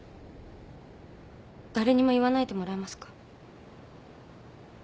誰にも言わないでもらえますか？